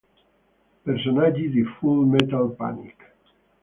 Personaggi di Full Metal Panic!